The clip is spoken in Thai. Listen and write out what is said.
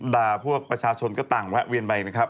พวกประชาชนก็ต่างแวะเวียนไปนะครับ